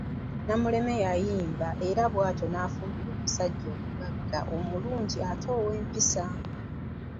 Namuleme ng’ayimba era bw'atyo n'afumbirwa omusajja omugagga omulungi ate ow’empisa.